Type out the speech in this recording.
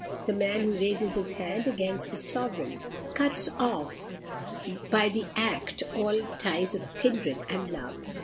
The man who raises his hand against his sovereign cuts off by the act all ties of kindred and love.